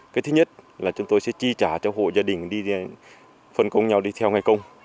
cái thứ nhất là chúng tôi sẽ chi trả cho hộ gia đình đi phân công nhau đi theo ngày công